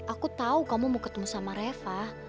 aku tahu kamu mau ketemu sama reva